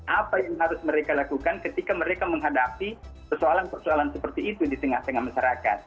apa yang harus mereka lakukan ketika mereka menghadapi persoalan persoalan seperti itu di tengah tengah masyarakat